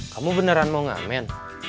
kamu beneran mau ngamen